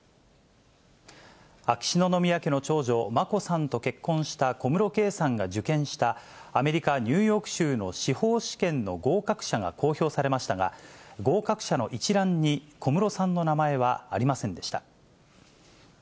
秋篠宮家の長女、眞子さんと結婚した小室圭さんが受験した、アメリカ・ニューヨーク州の司法試験の合格者が公表されましたが、合格者の一覧に小室さんの名前はありませんでした。